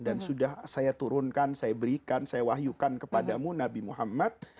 dan sudah saya turunkan saya berikan saya wahyukan kepadamu nabi muhammad